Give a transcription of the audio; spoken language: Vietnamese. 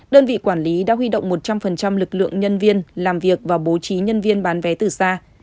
đơn vị quản lý đã huy động một trăm linh lực lượng nhân viên làm việc và bố trí nhân viên bán vé từ xa